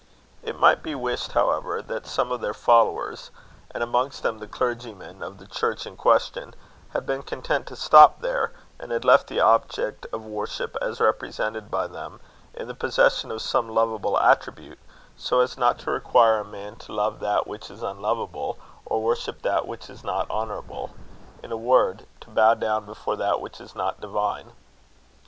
It might be wished, however, that some of their followers, and amongst them the clergyman of the church in question, had been content to stop there; and had left the object of worship, as represented by them, in the possession of some lovable attribute; so as not to require a man to love that which is unlovable, or worship that which is not honourable in a word, to bow down before that which is not divine.